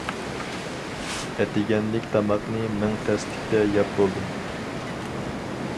ئەتىگەنلىك تاماقنى مىڭ تەسلىكتە يەپ بولدۇم.